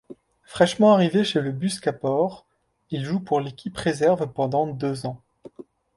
Fraîchement arrivé chez le Bucaspor, il joue pour l'équipe réserve pendant deux ans.